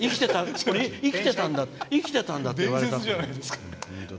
「生きてたんだ」って言われた。